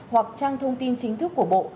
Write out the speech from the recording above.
hoặc trang thông tin chính thức của bộ